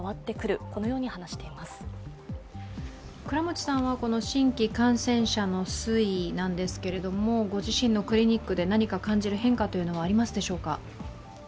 倉持さんは新規感染者の推移なんですけれどもご自身のクリニックで何か感じる変化というのはありますでしょうか？